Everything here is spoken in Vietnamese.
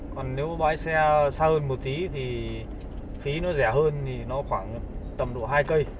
còn nếu bãi xe xa hơn một tí thì phí nó rẻ hơn thì nó khoảng tầm độ hai cây